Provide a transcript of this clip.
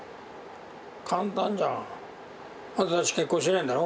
簡単じゃん。あんたたち結婚してないんだろ？